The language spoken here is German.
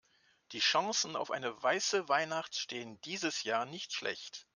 Die Chancen auf eine weiße Weihnacht stehen dieses Jahr nicht schlecht.